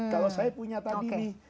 kalau saya punya tadi nih